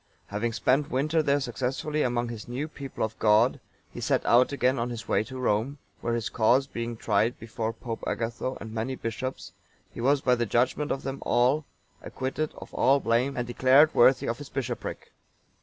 (912) Having spent the winter there successfully among this new people of God, he set out again on his way to Rome,(913) where his cause being tried before Pope Agatho and many bishops,(914) he was by the judgement of them all acquitted of all blame, and declared worthy of his bishopric.